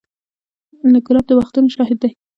ګلاب د وختونو شاهد دی.